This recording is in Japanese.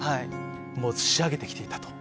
もう仕上げてきていたと。